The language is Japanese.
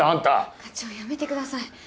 課長やめてください。